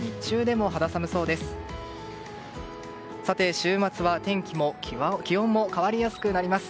週末は、天気も気温も変わりやすくなります。